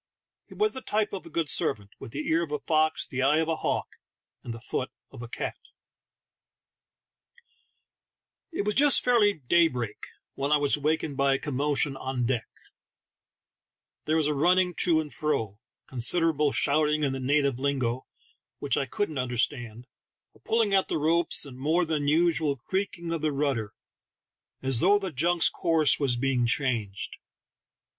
He was the type of a good servant, with the ear of a fox, the eye of a hawk, and the foot of a cat. It was just fairly daybreak, when I was awak ened by a commotion on deck. There was a run ning to and fro, considerable shouting in the THE TALKING HANDKERCHIEF. 21 native lingo, which I couldn't understand, a pull ing at the ropes, and more than the usual creaking JOHN WAS ON HIS KNEES AT THE DOOR. of the rudder, as though the junk's course was being changed.